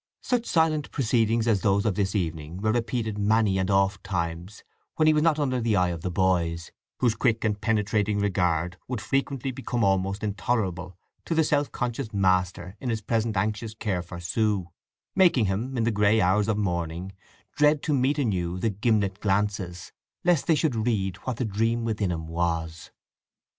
Such silent proceedings as those of this evening were repeated many and oft times when he was not under the eye of the boys, whose quick and penetrating regard would frequently become almost intolerable to the self conscious master in his present anxious care for Sue, making him, in the grey hours of morning, dread to meet anew the gimlet glances, lest they should read what the dream within him was.